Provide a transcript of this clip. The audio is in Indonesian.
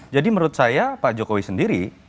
jadi menurut saya pak jokowi sendiri